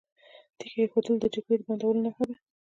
تیږه ایښودل د جګړې د بندولو نښه ده.